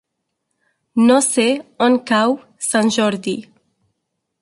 No sé on cau Sant Jordi.